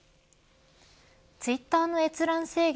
ツイッターの閲覧制限